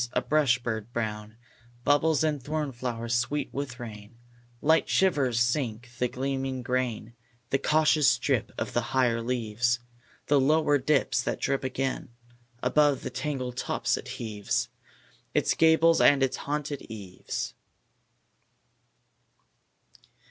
A brush bird brown Bubbles in thorn flowers sweet with rain; Light shivers sink the gleaming grain; The cautious drip of higher leaves The lower dips that drip again. Above the tangled tops it heaves Its gables and its haunted eaves.